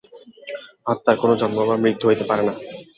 আত্মার কোন জন্ম বা মৃত্যু হইতে পারে না।